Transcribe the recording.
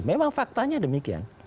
memang faktanya demikian